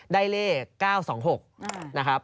ได้เลข๙๒๖